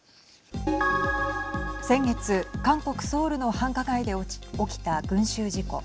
先月韓国、ソウルの繁華街で起きた群集事故。